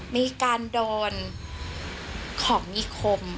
มีการโดนของมีคม